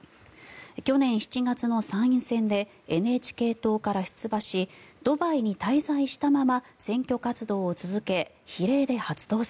去年７月の参院選でＮＨＫ党から出馬しドバイに滞在したまま選挙活動を続け比例で初当選。